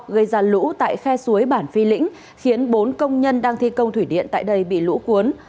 gây ra lũ tại khe suối bản phi lĩnh khiến bốn công nhân đang thi công thủy điện tại đây bị lũ cuốn